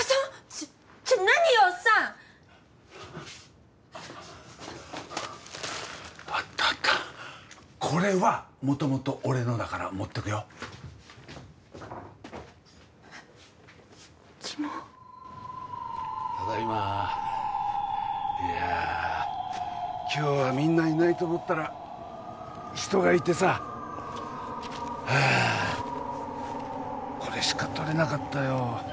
ちょちょっ何よおっさんあったあったこれはもともと俺のだから持ってくよきもただいまいやあ今日はみんないないと思ったら人がいてさはあこれしか取れなかったよ